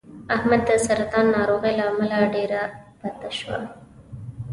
احمد د سرطان ناروغۍ له امله ډېر بته شو